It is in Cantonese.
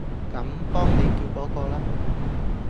咁幫你叫嗰個啦